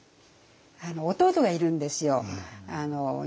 弟がいるんですよ